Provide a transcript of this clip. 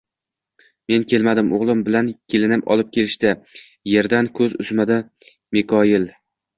Men kelmadim, o`g`lim bilan kelinim olib kelishdi, erdan ko`z uzmadi Mikoyil